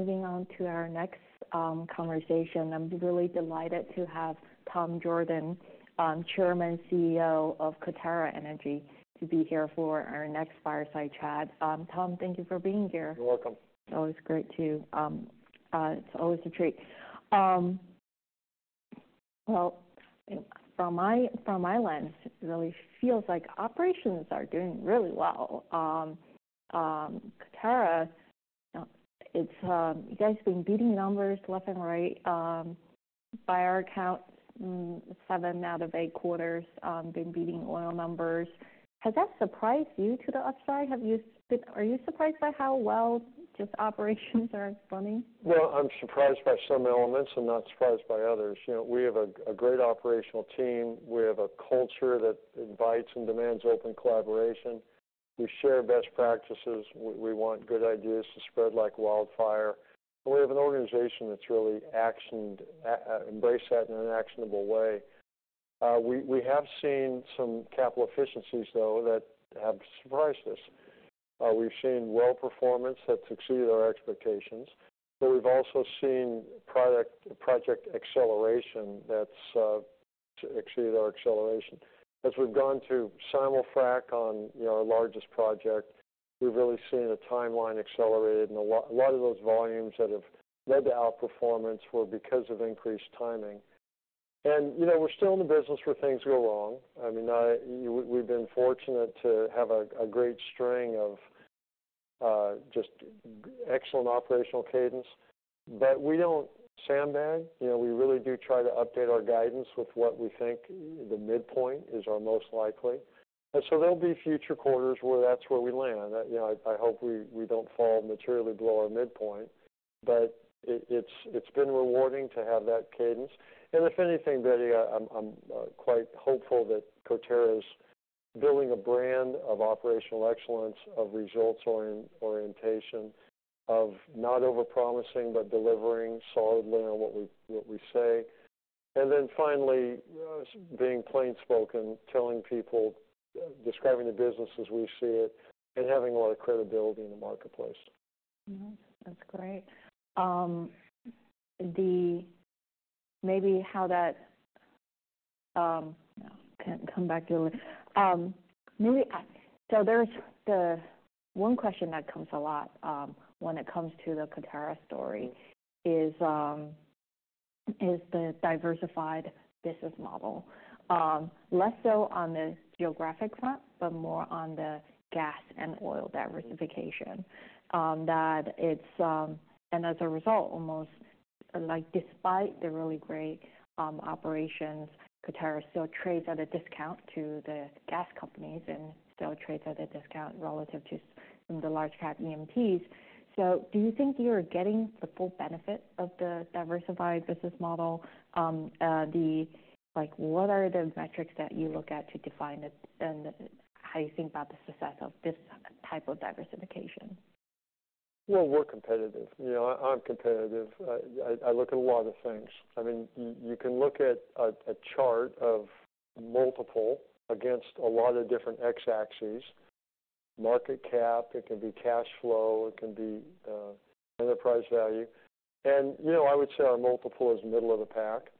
Moving on to our next conversation. I'm really delighted to have Tom Jorden, Chairman, CEO of Coterra Energy, to be here for our next fireside chat. Tom, thank you for being here. You're welcome. It's always a treat. Well, from my lens, it really feels like operations are doing really well. Coterra, it's you guys have been beating numbers left and right. By our count, seven out of eight quarters, been beating oil numbers. Has that surprised you to the upside? Are you surprised by how well just operations are running? I'm surprised by some elements and not surprised by others. You know, we have a great operational team. We have a culture that invites and demands open collaboration. We share best practices. We want good ideas to spread like wildfire. We have an organization that's really actioned embrace that in an actionable way. We have seen some capital efficiencies, though, that have surprised us. We've seen well performance that's exceeded our expectations, but we've also seen product- project acceleration that's exceeded our acceleration. As we've gone through simul-frac on, you know, our largest project, we've really seen the timeline accelerated, and a lot of those volumes that have led to outperformance were because of increased timing. You know, we're still in the business where things go wrong. I mean, we've been fortunate to have a great string of just excellent operational cadence, but we don't sandbag. You know, we really do try to update our guidance with what we think the midpoint is our most likely. And so there'll be future quarters where that's where we land. You know, I hope we don't fall materially below our midpoint, but it's been rewarding to have that cadence. And if anything, Betty, I'm quite hopeful that Coterra's building a brand of operational excellence, of results orientation, of not over-promising, but delivering solidly on what we say. And then finally, being plainspoken, telling people, describing the business as we see it, and having a lot of credibility in the marketplace. That's great. So there's the one question that comes a lot, when it comes to the Coterra story is the diversified business model. Less so on the geographic front, but more on the gas and oil diversification, that it's. And as a result, almost like despite the really great operations, Coterra still trades at a discount to the gas companies and still trades at a discount relative to the large cap E&Ps. So do you think you're getting the full benefit of the diversified business model? Like, what are the metrics that you look at to define it, and how you think about the success of this type of diversification? We're competitive. You know, I'm competitive. I look at a lot of things. I mean, you can look at a chart of multiple against a lot of different X-axes. Market cap, it can be cash flow, it can be enterprise value. You know, I would say our multiple is middle of the pack,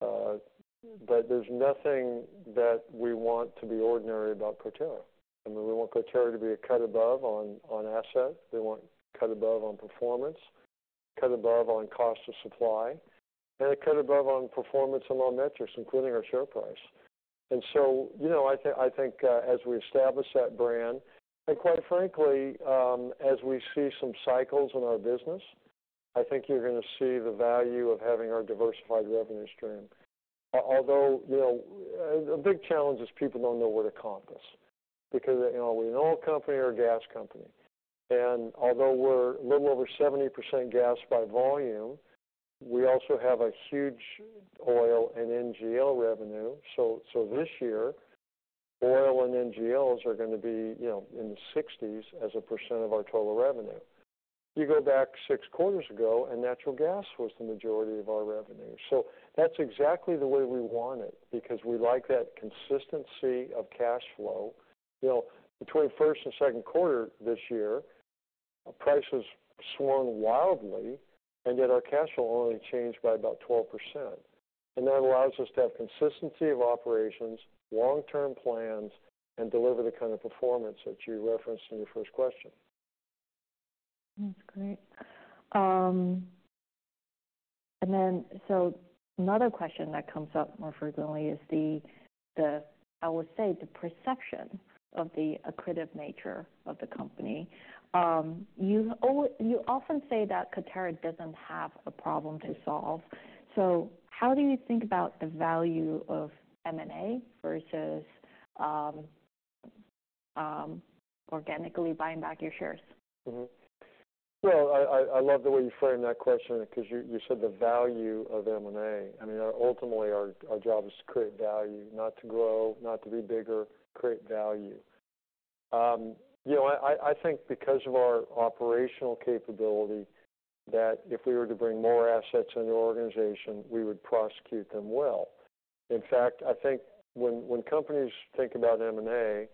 but there's nothing that we want to be ordinary about Coterra. I mean, we want Coterra to be a cut above on asset. We want cut above on performance, cut above on cost of supply, and a cut above on performance on our metrics, including our share price. So, you know, I think as we establish that brand, and quite frankly, as we see some cycles in our business, I think you're gonna see the value of having our diversified revenue stream. Although, you know, a big challenge is people don't know where to comp us because, you know, are we an oil company or a gas company? And although we're a little over 70% gas by volume, we also have a huge oil and NGL revenue. So, so this year, oil and NGLs are gonna be, you know, in the 60s% of our total revenue. You go back six quarters ago, and natural gas was the majority of our revenue. So that's exactly the way we want it, because we like that consistency of cash flow. You know, between first and second quarter this year, prices swung wildly, and yet our cash flow only changed by about 12%. And that allows us to have consistency of operations, long-term plans, and deliver the kind of performance that you referenced in your first question. That's great. And then, so another question that comes up more frequently is the, I would say, the perception of the accretive nature of the company. You often say that Coterra doesn't have a problem to solve. So how do you think about the value of M&A versus organically buying back your shares? Mm-hmm. So I love the way you framed that question because you said the value of M&A. I mean, ultimately, our job is to create value, not to grow, not to be bigger, create value. You know, I think because of our operational capability, that if we were to bring more assets into our organization, we would prosecute them well. In fact, I think when companies think about M&A,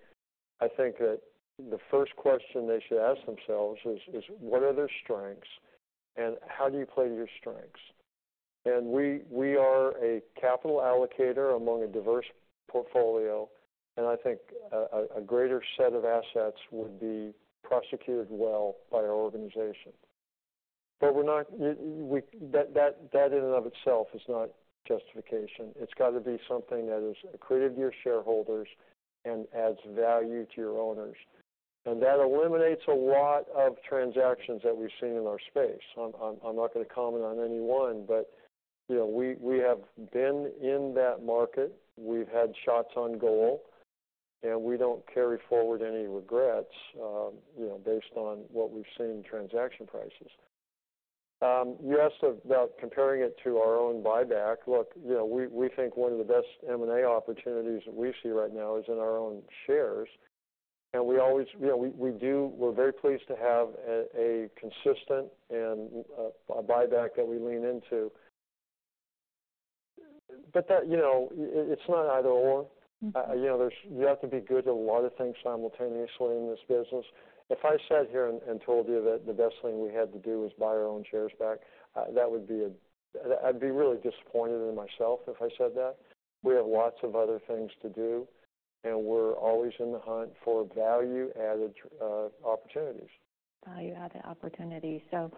I think that the first question they should ask themselves is what are their strengths, and how do you play to your strengths? And we are a capital allocator among a diverse portfolio, and I think a greater set of assets would be prosecuted well by our organization. But we're not. That in and of itself is not justification. It's got to be something that is accretive to your shareholders and adds value to your owners. And that eliminates a lot of transactions that we've seen in our space. I'm not going to comment on any one, but you know, we have been in that market. We've had shots on goal, and we don't carry forward any regrets, you know, based on what we've seen in transaction prices. You asked about comparing it to our own buyback. Look, you know, we think one of the best M&A opportunities that we see right now is in our own shares, and we always, you know, we do, we're very pleased to have a consistent and a buyback that we lean into. But that, you know, it, it's not either/or. Mm-hmm. You know, you have to be good at a lot of things simultaneously in this business. If I sat here and told you that the best thing we had to do was buy our own shares back, that would be a... I'd be really disappointed in myself if I said that. We have lots of other things to do, and we're always in the hunt for value-added opportunities. Value-added opportunities. So,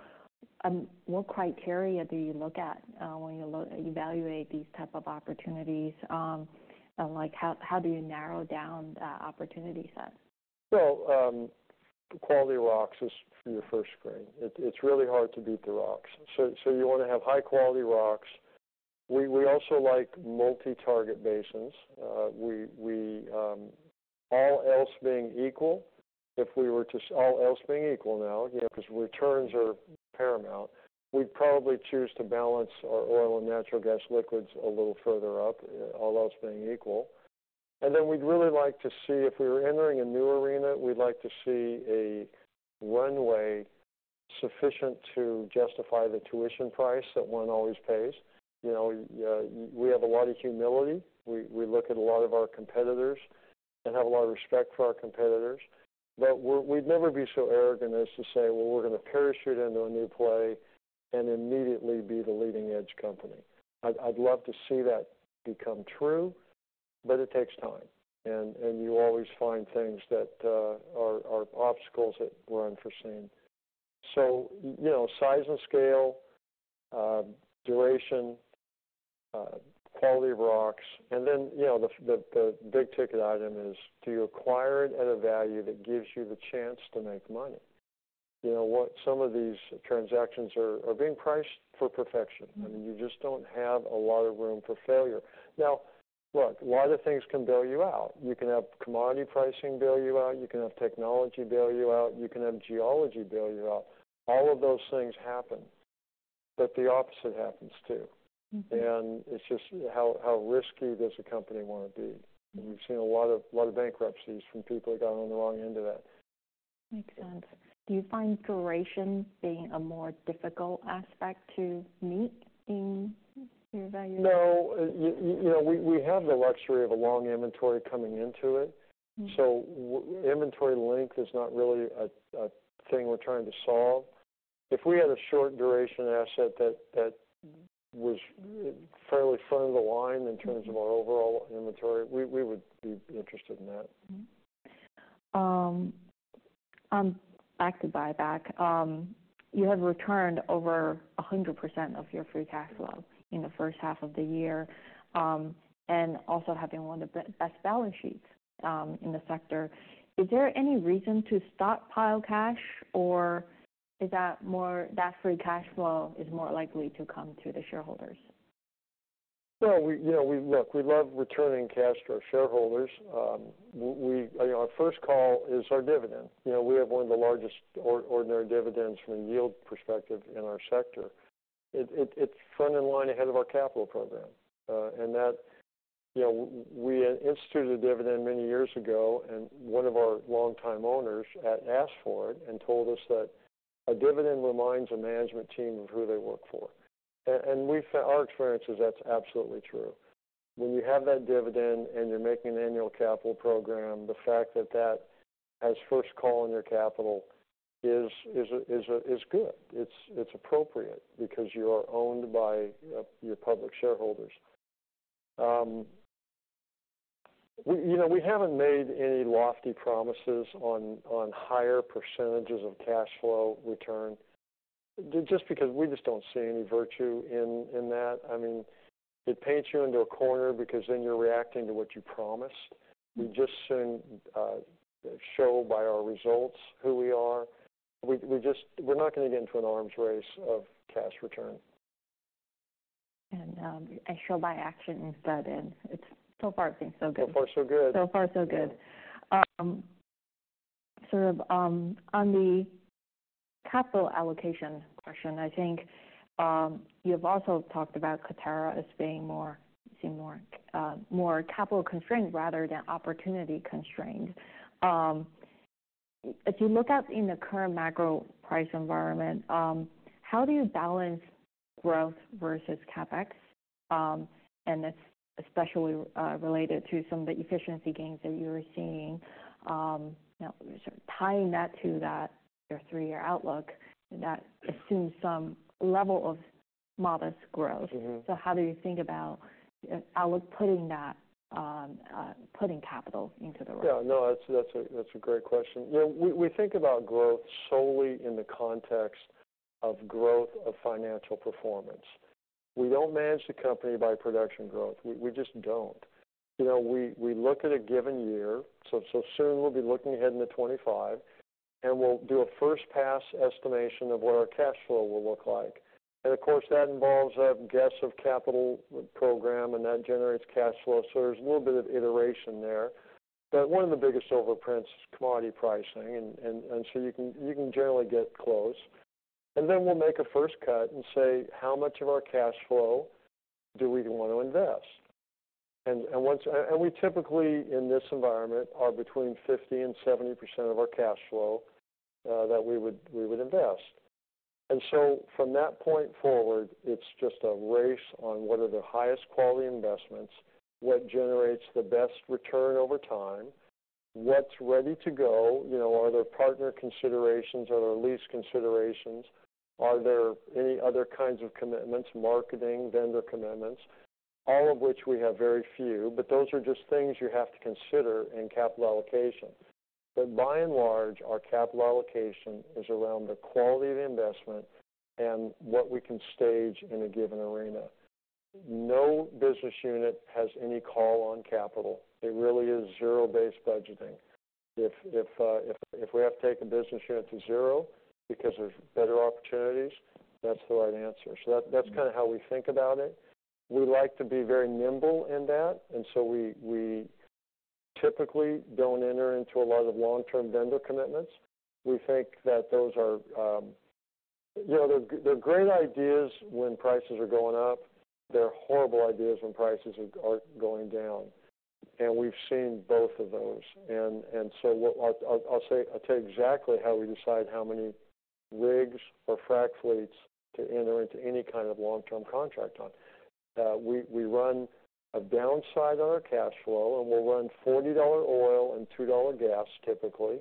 what criteria do you look at when you evaluate these type of opportunities? And like, how do you narrow down the opportunity set? The quality of rocks is your first screen. It's really hard to beat the rocks. So you want to have high-quality rocks. We also like multi-target basins. All else being equal now, you know, because returns are paramount, we'd probably choose to balance our oil and natural gas liquids a little further up, all else being equal. We'd really like to see, if we were entering a new arena, a runway sufficient to justify the tuition price that one always pays. You know, we have a lot of humility. We look at a lot of our competitors and have a lot of respect for our competitors. But we're, we'd never be so arrogant as to say, "Well, we're going to parachute into a new play and immediately be the leading-edge company." I'd love to see that become true, but it takes time, and you always find things that are obstacles that were unforeseen. So, you know, size and scale, duration, quality of rocks, and then, you know, the big-ticket item is, do you acquire it at a value that gives you the chance to make money? You know what? Some of these transactions are being priced for perfection. Mm-hmm. I mean, you just don't have a lot of room for failure. Now, look, a lot of things can bail you out. You can have commodity pricing bail you out. You can have technology bail you out. You can have geology bail you out. All of those things happen, but the opposite happens, too. Mm-hmm. It's just how risky does a company want to be? Mm-hmm. We've seen a lot of bankruptcies from people who got on the wrong end of that. Makes sense. Do you find duration being a more difficult aspect to meet in your evaluation? No. You know, we have the luxury of a long inventory coming into it. Mm-hmm. So inventory length is not really a thing we're trying to solve. If we had a short-duration asset that was fairly front of the line- Mm-hmm In terms of our overall inventory, we would be interested in that. Mm-hmm. On back to buyback, you have returned over 100% of your free cash flow in the first half of the year, and also having one of the best balance sheets in the sector. Is there any reason to stockpile cash, or is that more, that free cash flow is more likely to come to the shareholders? We, you know, look, we love returning cash to our shareholders. You know, our first call is our dividend. You know, we have one of the largest ordinary dividends from a yield perspective in our sector. It's front in line ahead of our capital program. And that, you know, we had instituted a dividend many years ago, and one of our longtime owners had asked for it and told us that a dividend reminds a management team of who they work for. And our experience is that's absolutely true. When you have that dividend, and you're making an annual capital program, the fact that that has first call on your capital is good. It's appropriate because you are owned by your public shareholders. You know, we haven't made any lofty promises on higher percentages of cash flow return just because we just don't see any virtue in that. I mean, it paints you into a corner because then you're reacting to what you promised. We'd sooner show by our results who we are. We're not going to get into an arms race of cash return. Show by actions rather than... It's so far been so good. So far, so good. So far, so good. Yeah. Sort of, on the capital allocation question, I think, you've also talked about Coterra as being more capital-constrained rather than opportunity-constrained. If you look out in the current macro price environment, how do you balance growth versus CapEx? It's especially related to some of the efficiency gains that you were seeing. Now sort of tying that to that, your three-year outlook, that assumes some level of modest growth. Mm-hmm. So how do you think about allocating that, putting capital into the right? Yeah, no, that's a great question. You know, we think about growth solely in the context of growth of financial performance. We don't manage the company by production growth. We just don't. You know, we look at a given year, so soon we'll be looking ahead into 2025, and we'll do a first pass estimation of what our cash flow will look like. And of course, that involves a guess of capital program, and that generates cash flow. So there's a little bit of iteration there. But one of the biggest overprints is commodity pricing. And so you can generally get close. And then we'll make a first cut and say: How much of our cash flow do we want to invest? We typically, in this environment, are between 50% and 70% of our cash flow that we would invest. So from that point forward, it's just a race on what are the highest quality investments, what generates the best return over time, what's ready to go? You know, are there partner considerations? Are there lease considerations? Are there any other kinds of commitments, marketing, vendor commitments? All of which we have very few, but those are just things you have to consider in capital allocation. By and large, our capital allocation is around the quality of the investment and what we can stage in a given arena. No business unit has any call on capital. It really is zero-based budgeting. If we have to take a business unit to zero because there's better opportunities, that's the right answer. So that, Mm-hmm. That's kind of how we think about it. We like to be very nimble in that, and so we typically don't enter into a lot of long-term vendor commitments. We think that those are, you know, they're great ideas when prices are going up. They're horrible ideas when prices are going down. And we've seen both of those. And so what I'll say, I'll tell you exactly how we decide how many rigs or frac fleets to enter into any kind of long-term contract on. We run a downside on our cash flow, and we'll run $40 oil and $2 gas, typically.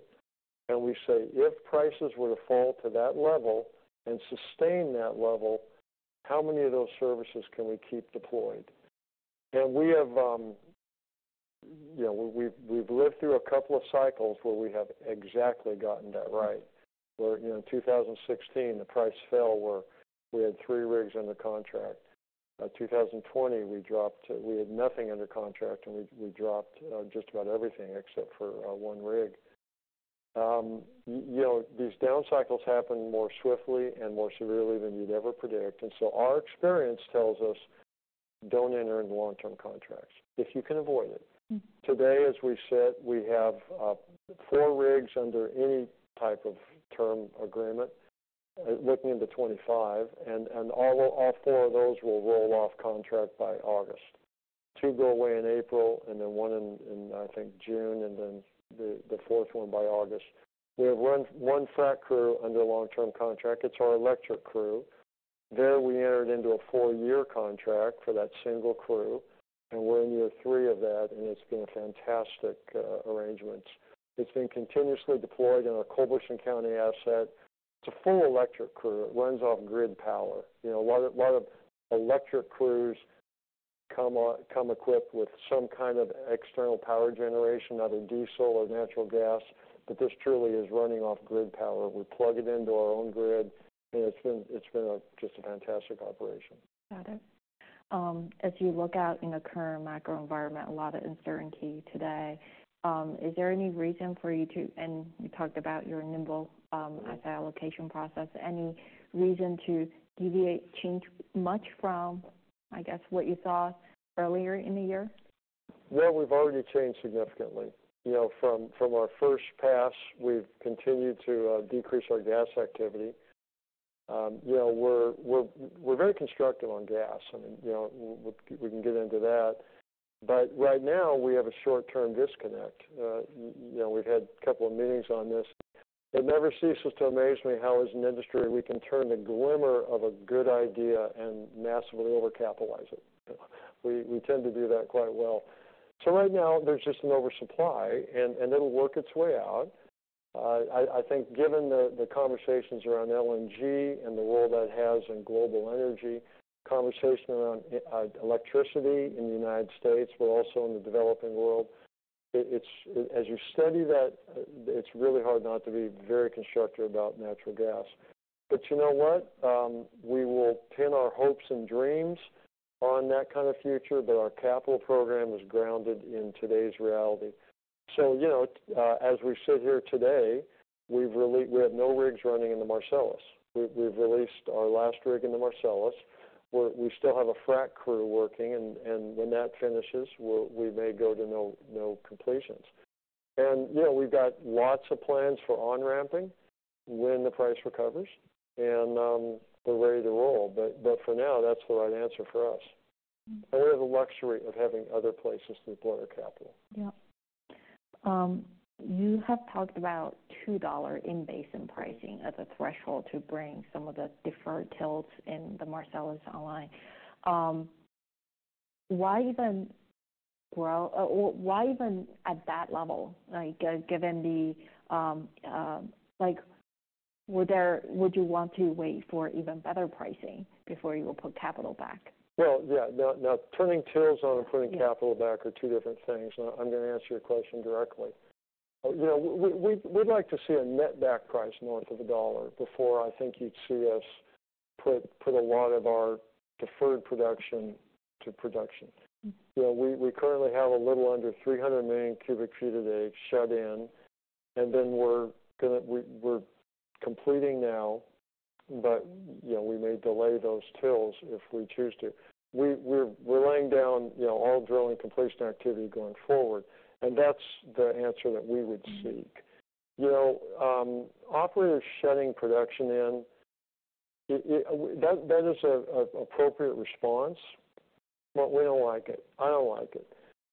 And we say, if prices were to fall to that level and sustain that level, how many of those services can we keep deployed? And we have, you know, we've lived through a couple of cycles where we have exactly gotten that right. Where, you know, in 2016, the price fell, where we had three rigs under contract. 2020, we dropped. We had nothing under contract, and we dropped just about everything except for one rig. You know, these down cycles happen more swiftly and more severely than you'd ever predict, and so our experience tells us, don't enter into long-term contracts if you can avoid it. Mm-hmm. Today, as we've said, we have four rigs under any type of term agreement looking into 2025, and all four of those will roll off contract by August. Two go away in April, and then one in I think June, and then the fourth one by August. We have one frac crew under a long-term contract. It's our electric crew. There, we entered into a four-year contract for that single crew, and we're in year three of that, and it's been a fantastic arrangements. It's been continuously deployed on our Culberson County asset. It's a full electric crew. It runs off grid power. You know, a lot of electric crews come equipped with some kind of external power generation, either diesel or natural gas, but this truly is running off grid power. We plug it into our own grid, and it's been just a fantastic operation. Got it. As you look out in the current macro environment, a lot of uncertainty today, is there any reason for you to... And you talked about your nimble, Mm-hmm. Asset allocation process, any reason to deviate, change much from, I guess, what you thought earlier in the year? We've already changed significantly. You know, from our first pass, we've continued to decrease our gas activity. You know, we're very constructive on gas. I mean, you know, we can get into that, but right now we have a short-term disconnect. You know, we've had a couple of meetings on this. It never ceases to amaze me how, as an industry, we can turn the glimmer of a good idea and massively overcapitalize it. We tend to do that quite well. Right now, there's just an oversupply, and it'll work its way out. I think given the conversations around LNG and the role that has on global energy, conversation around electricity in the United States, but also in the developing world, as you study that, it's really hard not to be very constructive about natural gas. But you know what? We will pin our hopes and dreams on that kind of future, but our capital program is grounded in today's reality. So, you know, as we sit here today, we have no rigs running in the Marcellus. We've released our last rig in the Marcellus, where we still have a frac crew working, and when that finishes, we may go to no completions, and you know, we've got lots of plans for on-ramping when the price recovers, and we're ready to roll. But for now, that's the right answer for us and we have the luxury of having other places to deploy our capital. Yeah. You have talked about $2 in-basin pricing as a threshold to bring some of the deferred TILs in the Marcellus online. Why even, well, or why even at that level? Like, given the, like, would you want to wait for even better pricing before you will put capital back? Yeah, now, turning TILs on and putting capital back are two different things, and I'm gonna answer your question directly. You know, we'd like to see a netback price north of $1 before I think you'd see us put a lot of our deferred production to production. Mm. You know, we currently have a little under three hundred million cubic feet a day shut in, and then we're gonna, we're completing now, but, you know, we may delay those TILs if we choose to. We're laying down, you know, all drilling completion activity going forward, and that's the answer that we would seek. Mm. You know, operators shutting production in. That is an appropriate response, but we don't like it. I don't like it.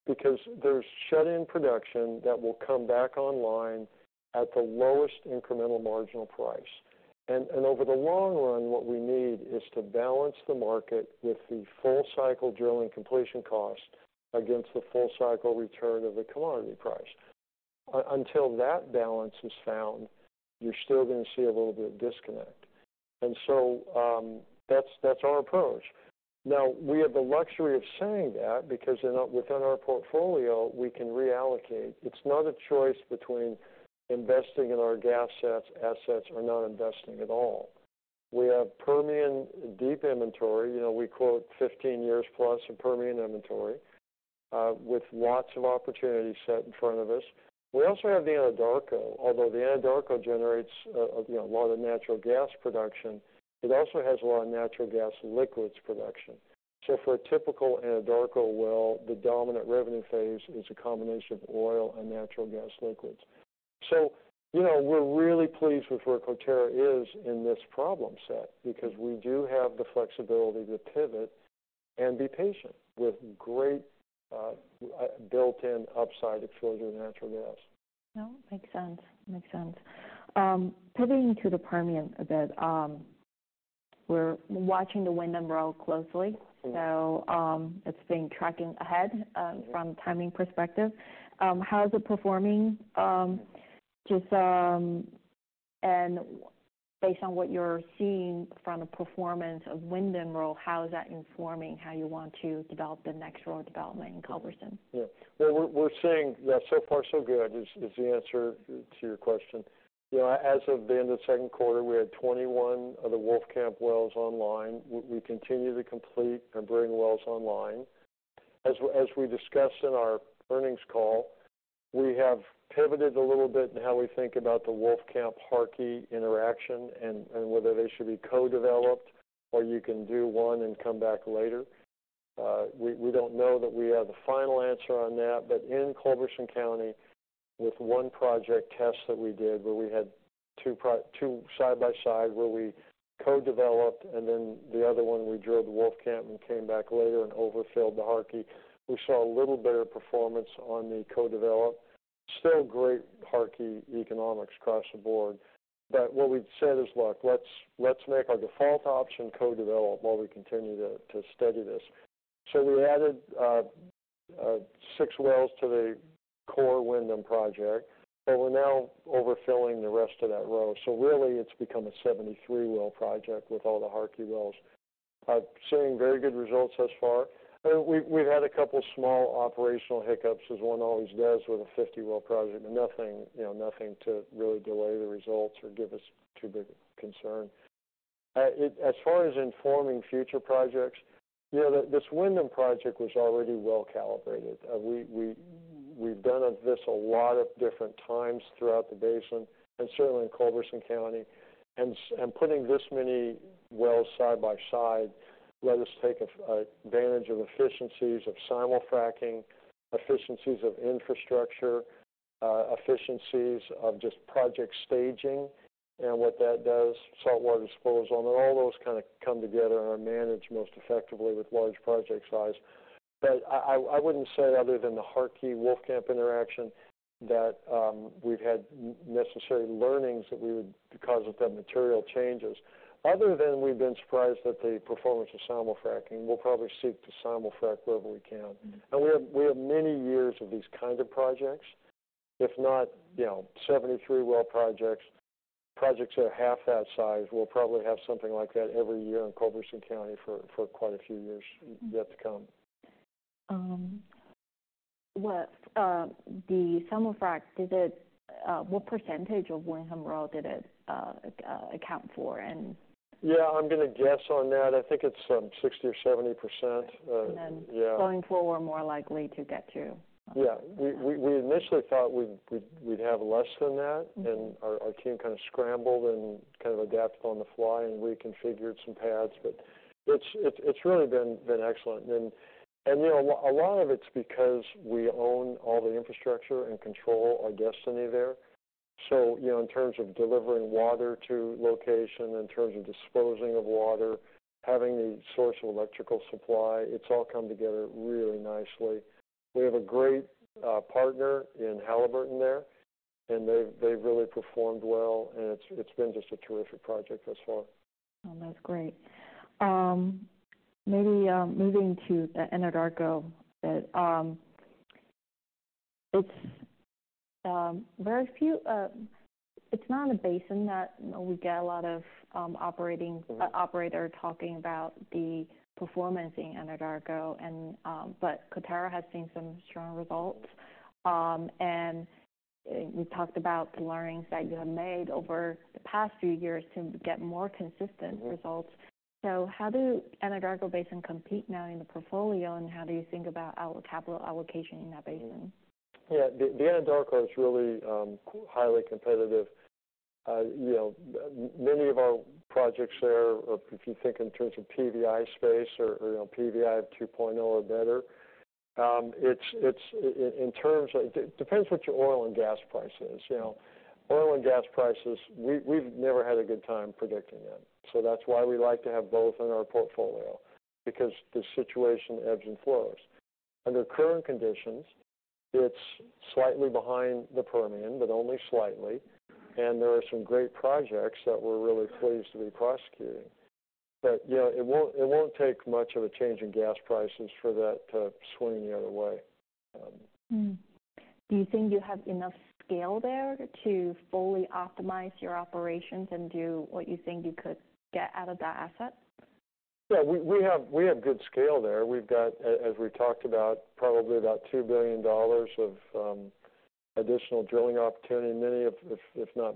Because there's shut-in production that will come back online at the lowest incremental marginal price. And over the long run, what we need is to balance the market with the full cycle drilling completion cost against the full cycle return of the commodity price. Until that balance is found, you're still gonna see a little bit of disconnect. And so, that's our approach. Now, we have the luxury of saying that because within our portfolio, we can reallocate. It's not a choice between investing in our gas assets or not investing at all. We have Permian deep inventory. You know, we quote 15 years plus in Permian inventory, with lots of opportunities set in front of us. We also have the Anadarko. Although the Anadarko generates, you know, a lot of natural gas production, it also has a lot of natural gas liquids production. So for a typical Anadarko well, the dominant revenue phase is a combination of oil and natural gas liquids. So, you know, we're really pleased with where Coterra is in this problem set, because we do have the flexibility to pivot and be patient, with great, built-in upside exposure to natural gas. No, makes sense. Makes sense. Pivoting to the Permian a bit, we're watching the Windham Row closely. Mm. So, it's been tracking ahead from a timing perspective. How is it performing? And based on what you're seeing from the performance of Windham Row, how is that informing how you want to develop the next row development in Culberson? Yeah. Well, we're seeing, yeah, so far, so good, is the answer to your question. You know, as of the end of the second quarter, we had 21 of the Wolfcamp wells online. We continue to complete and bring wells online. As we discussed in our earnings call, we have pivoted a little bit in how we think about the Wolfcamp Harkey interaction and whether they should be co-developed, or you can do one and come back later. We don't know that we have the final answer on that, but in Culberson County, with one project test that we did, where we had two side by side, where we co-developed, and then the other one, we drilled the Wolfcamp and came back later and overfilled the Harkey. We saw a little better performance on the co-develop. Still great Harkey economics across the board. But what we've said is, look, let's make our default option co-develop while we continue to study this. So we added six wells to the core Windham Row project, and we're now overfilling the rest of that row. So really, it's become a 73-well project with all the Harkey wells. I've seen very good results thus far. We've had a couple small operational hiccups, as one always does with a 50-well project, but nothing, you know, nothing to really delay the results or give us too big a concern. It as far as informing future projects, you know, this Windham Row project was already well calibrated. We've done this a lot of different times throughout the basin and certainly in Culberson County. Putting this many wells side by side let us take advantage of efficiencies of simulfracking, efficiencies of infrastructure, efficiencies of just project staging and what that does, saltwater disposal, and all those kind of come together and are managed most effectively with large project size. But I wouldn't say other than the Harkey Wolfcamp interaction, that we've had necessary learnings that we would because of that material changes. Other than we've been surprised at the performance of simulfracking, we'll probably seek to simulfrack wherever we can. Mm. We have many years of these kind of projects. If not, you know, 73-well projects, projects that are half that size, we'll probably have something like that every year in Culberson County for quite a few years yet to come. What percentage of Windham Row did the simul-frac account for and- Yeah, I'm gonna guess on that. I think it's 60% or 70%. Yeah. And then going forward, more likely to get to? Yeah. Uh. We initially thought we'd have less than that- Mm-hmm. and our team kind of scrambled and kind of adapted on the fly and reconfigured some pads, but it's really been excellent. And you know, a lot of it's because we own all the infrastructure and control our destiny there. So, you know, in terms of delivering water to location, in terms of disposing of water, having the source of electrical supply, it's all come together really nicely. We have a great partner in Halliburton there, and they've really performed well, and it's been just a terrific project thus far. Oh, that's great. Maybe moving to the Anadarko, but it's very few. It's not a basin that we get a lot of operators talking about the performance in Anadarko, but Coterra has seen some strong results. And you talked about the learnings that you have made over the past few years to get more consistent results. So how does the Anadarko Basin compete now in the portfolio, and how do you think about capital allocation in that basin? Yeah, the Anadarko is really highly competitive. You know, many of our projects there are, if you think in terms of PVI space or, you know, PVI 2.0 or better, it's in terms. It depends what your oil and gas price is. You know, oil and gas prices, we've never had a good time predicting it, so that's why we like to have both in our portfolio, because the situation ebbs and flows. Under current conditions, it's slightly behind the Permian, but only slightly, and there are some great projects that we're really pleased to be prosecuting. You know, it won't take much of a change in gas prices for that to swing the other way. Mm-hmm. Do you think you have enough scale there to fully optimize your operations and do what you think you could get out of that asset? Yeah, we have good scale there. We've got, as we talked about, probably about $2 billion of additional drilling opportunity, many of, if not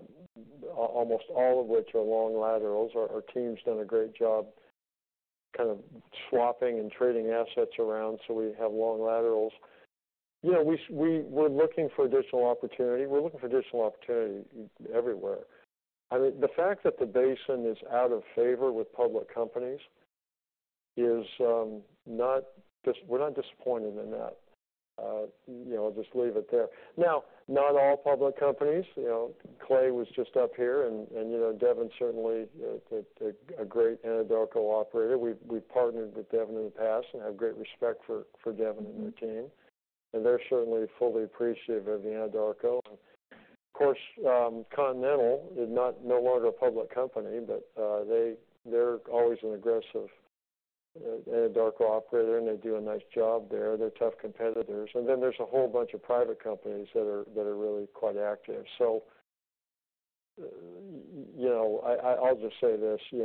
almost all of which are long laterals. Our team's done a great job kind of swapping and trading assets around so we have long laterals. Yeah, we're looking for additional opportunity. We're looking for additional opportunity everywhere. I mean, the fact that the basin is out of favor with public companies is we're not disappointed in that. You know, I'll just leave it there. Now, not all public companies, you know, Clay was just up here and, you know, Devon certainly is a great Anadarko operator. We've partnered with Devon in the past and have great respect for Devon and their team, and they're certainly fully appreciative of the Anadarko. Of course, Continental is no longer a public company, but they're always an aggressive Anadarko operator, and they do a nice job there. They're tough competitors. And then there's a whole bunch of private companies that are really quite active. So, you know, I'll just say this: you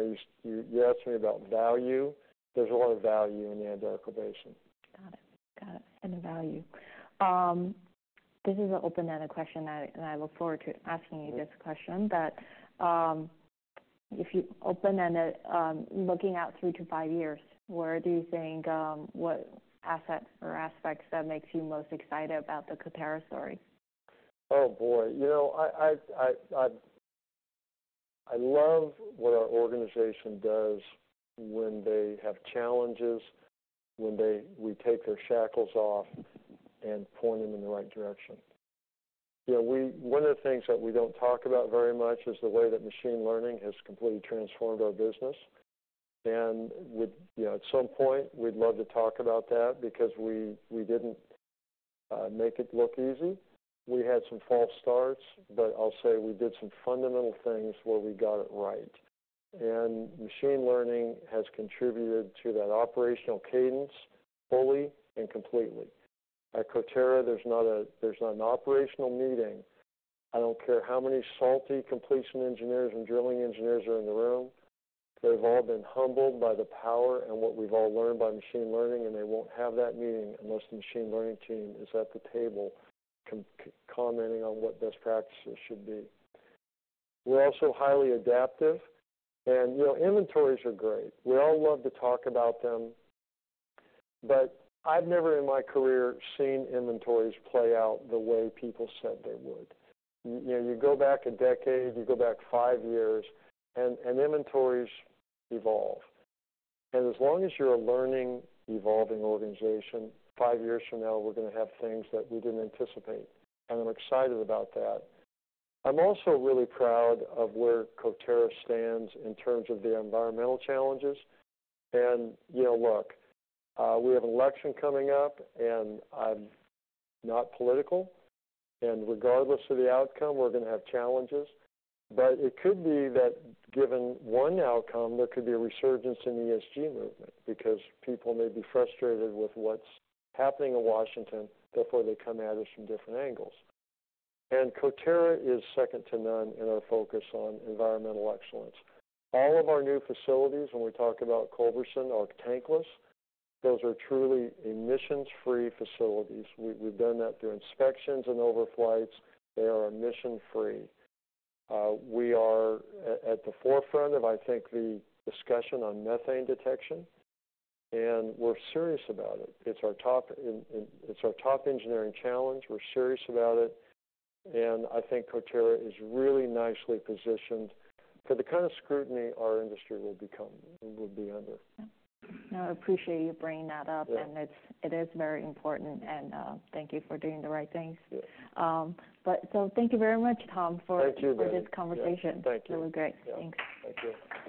know, you asked me about value. There's a lot of value in the Anadarko Basin. Got it. Got it, and the value. This is an open-ended question, and I look forward to asking you this question, but it's open-ended, looking out three to five years, where do you think what assets or aspects that makes you most excited about the Coterra story? Oh, boy! You know, I love what our organization does when they have challenges, when we take their shackles off and point them in the right direction. You know, one of the things that we don't talk about very much is the way that machine learning has completely transformed our business. And with... You know, at some point, we'd love to talk about that because we didn't make it look easy. We had some false starts, but I'll say we did some fundamental things where we got it right. And machine learning has contributed to that operational cadence fully and completely. At Coterra, there's not an operational meeting. I don't care how many salty completion engineers and drilling engineers are in the room. They've all been humbled by the power and what we've all learned by machine learning, and they won't have that meeting unless the machine learning team is at the table commenting on what best practices should be. We're also highly adaptive, and, you know, inventories are great. We all love to talk about them, but I've never in my career seen inventories play out the way people said they would. You know, you go back a decade, you go back five years, and inventories evolve. As long as you're a learning, evolving organization, five years from now, we're gonna have things that we didn't anticipate, and I'm excited about that. I'm also really proud of where Coterra stands in terms of the environmental challenges. You know, look, we have an election coming up, and I'm not political, and regardless of the outcome, we're gonna have challenges, but it could be that, given one outcome, there could be a resurgence in the ESG movement because people may be frustrated with what's happening in Washington, therefore, they come at us from different angles, and Coterra is second to none in our focus on environmental excellence. All of our new facilities, when we talk about Culberson, are tankless. Those are truly emissions-free facilities. We've done that through inspections and overflights. They are emissions-free. We are at the forefront of, I think, the discussion on methane detection, and we're serious about it. It's our top engineering challenge. We're serious about it, and I think Coterra is really nicely positioned for the kind of scrutiny our industry will be under. I appreciate you bringing that up. Yeah. And it's, it is very important, and thank you for doing the right things. Yeah. Thank you very much, Tom, for- Thank you, Betty. for this conversation. Yeah. Thank you. It was great. Yeah. Thanks. Thank you.